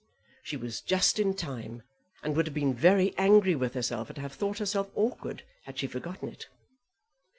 She was just in time, and would have been very angry with herself, and have thought herself awkward, had she forgotten it.